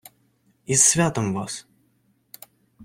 Із святом вас!